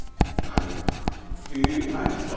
ええ置くんですか？